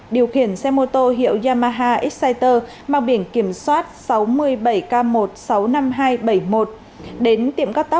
điều khiển xe mô tô hiệu yamaha exciter mang biển kiểm soát sáu mươi bảy k một trăm sáu mươi năm nghìn hai trăm bảy mươi một đến tiệm cắt tóc